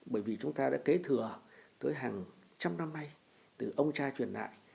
bởi vì chúng ta đã kế thừa tới hàng trăm năm nay từ ông cha truyền lại